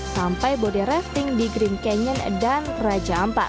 sampai bodi rafting di green canyon dan raja ampat